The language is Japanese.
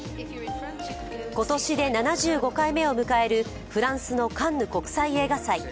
今年で７５回目を迎えるフランスのカンヌ国際映画祭。